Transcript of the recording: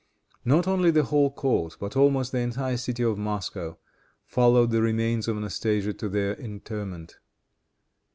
Not only the whole court, but almost the entire city of Moscow, followed the remains of Anastasia to their interment.